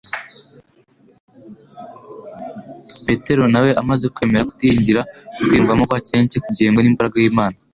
Petero nawe amaze kwemera kutiyiringira no kwiyumvamo ko akencye kugengwa n'imbaraga y'Imana,